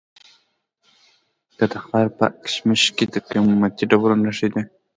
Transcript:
د تخار په اشکمش کې د قیمتي ډبرو نښې دي.